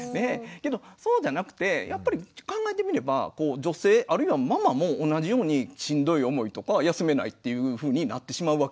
けどそうじゃなくて考えてみれば女性あるいはママも同じようにしんどい思いとか休めないっていうふうになってしまうわけですよね。